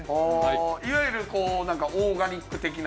いわゆるオーガニック的な？